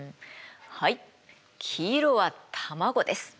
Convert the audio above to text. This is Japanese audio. はい黄色は卵です。